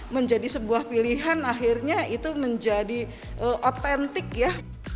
menjadi sebuah pilihan akhirnya itu menjadi otentik ya